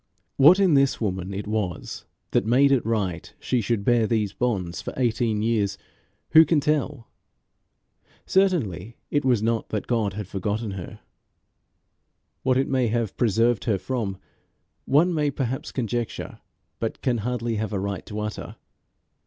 What in this woman it was that made it right she should bear these bonds for eighteen years, who can tell? Certainly it was not that God had forgotten her. What it may have preserved her from, one may perhaps conjecture, but can hardly have a right to utter.